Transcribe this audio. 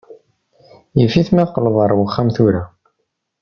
Yif-it ma teqqleḍ ar wexxam tura.